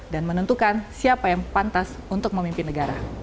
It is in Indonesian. dan menentukan siapa yang pantas untuk memimpin negara